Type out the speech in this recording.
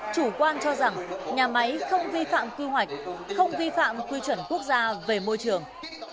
chủ quan cho rằng nhà máy không vi phạm quy hoạch không vi phạm quy chuẩn quốc gia về môi trường